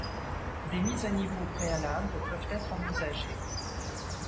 Des mises à niveaux préalables peuvent être envisagées.